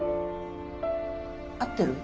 合ってる？